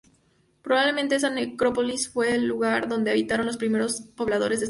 Probablemente esta necrópolis fue el lugar donde habitaron los primeros pobladores de este pueblo.